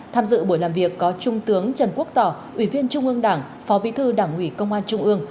tham dự buổi làm việc có trung tướng trần quốc tỏ ủy viên trung ương đảng phó bí thư đảng ủy công an trung ương